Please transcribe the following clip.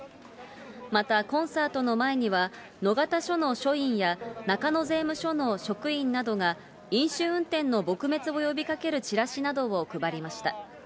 また、コンサートの前には、のがた署の署員や中野税務署の職員などが飲酒運転の撲滅を呼びかけるチラシなどを配りました。